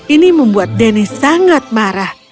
ini membuat denny sangat marah